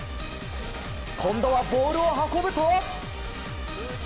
今度はボールを運ぶと。